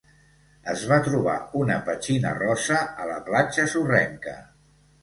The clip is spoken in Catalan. Es va trobar una petxina rosa a la platja sorrenca.